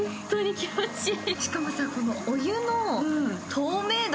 気持ちいい！